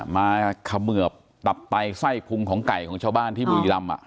เขมือบตับไตไส้พุงของไก่ของชาวบ้านที่บุรีรำ